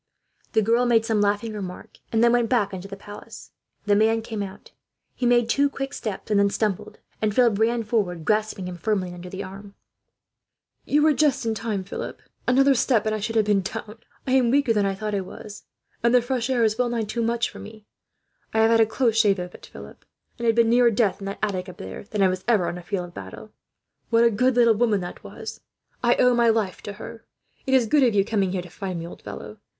The girl made some laughing remark, and then went back into the palace. The man came out. He made two quick steps and then stumbled, and Philip ran forward, and grasped him firmly under the arm. "You were just in time, Philip," Francois said, with a feeble laugh, "another step and I should have been down. I am weaker than I thought I was, and the fresh air is well nigh too much for me. "I have had a close shave of it, Philip; and have been nearer death, in that attic up there, than I ever was on a field of battle. What a good little woman that was! I owe my life to her. "It is good of you coming here to find me, old fellow.